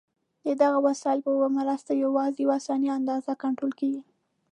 د دغو وسایلو په مرسته یوازې یوه ثابته اندازه کنټرول کېږي.